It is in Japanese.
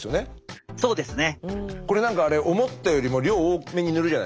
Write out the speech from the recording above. そうですね。